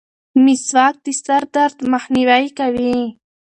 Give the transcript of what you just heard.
مسواک د سر درد مخنیوی کوي.